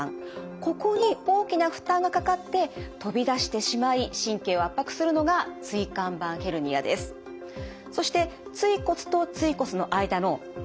ここに大きな負担がかかって飛び出してしまい神経を圧迫するのが椎間板ヘルニアです。